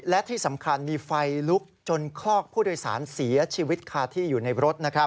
และที่สำคัญมีไฟลุกจนคลอกผู้โดยสารเสียชีวิตคาที่อยู่ในรถ